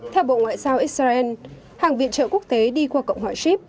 theo bộ ngoại giao xrn hàng viện trợ quốc tế đi qua cộng hòa xip